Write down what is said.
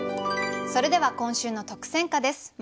それでは今週の特選歌です。